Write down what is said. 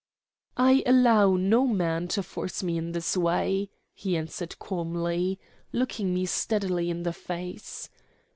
"I allow no man to force me in this way," he answered calmly, looking me steadily in the face.